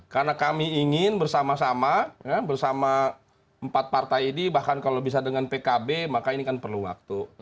karena kami ingin bersama sama bersama empat partai ini bahkan kalau bisa dengan pkb maka ini kan perlu waktu